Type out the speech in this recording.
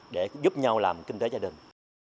để giúp nhau làm kinh tế gia đình